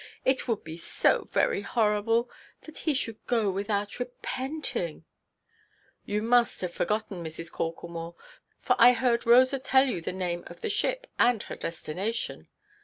It would be so very horrible! That he should go without repenting——" "You must have forgotten, Mrs. Corklemore; for I heard Rosa tell you the name of the ship, and her destination."